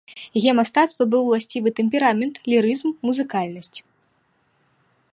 Яе мастацтву быў уласцівы тэмперамент, лірызм, музыкальнасць.